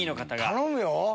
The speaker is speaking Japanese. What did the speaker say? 頼むよ。